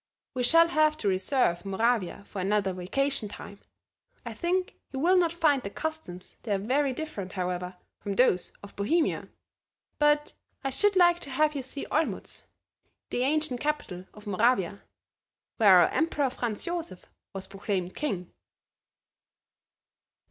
We shall have to reserve Moravia for another vacation time. I think you will not find the customs there very different, however, from those of Bohemia. But I should like to have you see Olmutz, the ancient capital of Moravia, where our emperor Franz Joseph was proclaimed king."